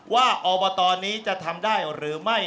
ว่าออบเตอนี้จะทำได้หรือไม่